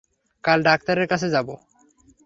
কাল ডাক্তারের কাছে যাব।